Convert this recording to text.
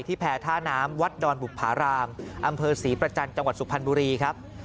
แพรท่าน้ำวัดดอนบุภารามอำเภอศรีประจันทร์จังหวัดสุพรรณบุรีครับ